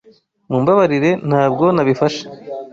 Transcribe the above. Mumbabarire, ntabwo nabifashe.